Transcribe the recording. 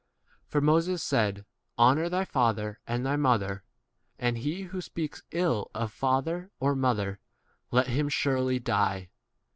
10 For Moses said, Honour thy fa ther and thy mother; and, He who speaks ills of father or mo 11 ther, let him surely die.